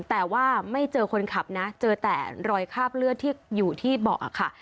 แต่ว่าไม่เจอคนขับนะเจอแต่รอยคราบเลือดที่อยู่ที่เบาะค่ะ